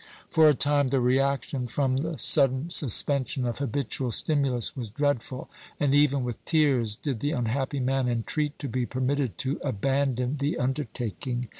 For a time the reaction from the sudden suspension of habitual stimulus was dreadful, and even with tears did the unhappy man entreat to be permitted to abandon the undertaking.